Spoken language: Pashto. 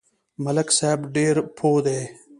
ملک صاحب ډېر پوه دی.